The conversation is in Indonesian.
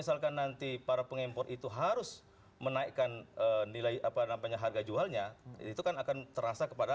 misalkan nanti para pengimpor itu harus menaikkan nilai apa namanya harga jualnya itu kan akan terasa kepada